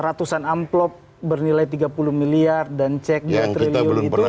ratusan amplop bernilai tiga puluh miliar dan cek dua triliun itu